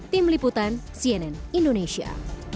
tim liputan cnn indonesia